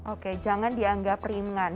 oke jangan dianggap ringan